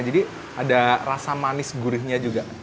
jadi ada rasa manis gurihnya